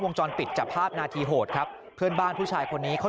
จรปิดจับภาพนาทีโหดครับเพื่อนบ้านผู้ชายคนนี้เขา